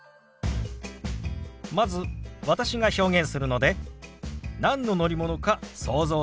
まず私が表現するので何の乗り物か想像してください。